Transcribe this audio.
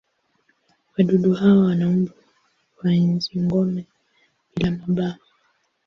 Wadudu hawa wana umbo wa nzi-gome bila mabawa.